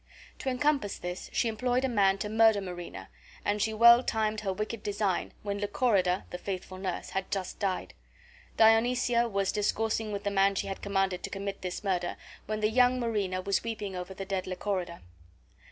To encompass this she employed a man to murder Marina, and she well timed her wicked design, when Lychorida, the faithful nurse, had just died. Dionysia was discoursing with the man she had commanded to commit this murder when the young Marina was weeping over the dead Lychorida.